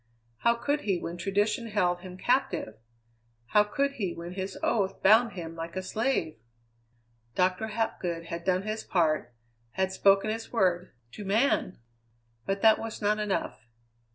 How could he when tradition held him captive? How could he when his oath bound him like a slave? Doctor Hapgood had done his part, had spoken his word to man! But that was not enough.